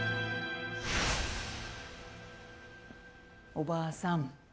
おばあさん。